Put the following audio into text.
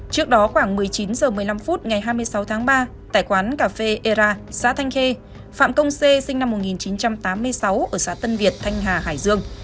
trước đó khoảng một mươi chín h một mươi năm phút ngày hai mươi sáu tháng ba tại quán cà phê era xã thanh khê phạm công sê sinh năm một nghìn chín trăm tám mươi sáu ở xã tân việt thanh hà hải dương